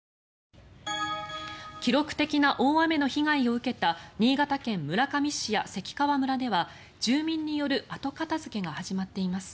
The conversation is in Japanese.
記録的な大雨の被害を受けた新潟県村上市や関川村では住民による後片付けが始まっています。